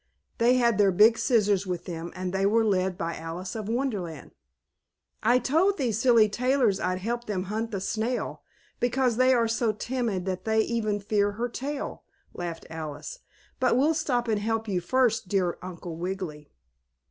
They had their big scissors with them, and they were led by Alice of Wonderland. "I told these silly tailors I'd help them hunt the snail, because they are so timid that they even fear her tail," laughed Alice, "but we'll stop and help you first, dear Uncle Wiggily!"